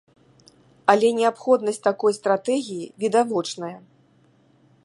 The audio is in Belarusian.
Але неабходнасць такой стратэгіі відавочная.